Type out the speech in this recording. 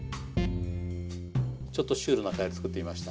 ちょっとシュールなカエル作ってみました。